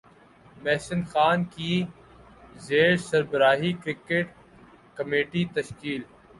محسن خان کی زیر سربراہی کرکٹ کمیٹی تشکیل